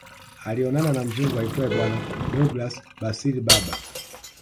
Alionana na mzungu aitwae bwana Douglas Basil Berber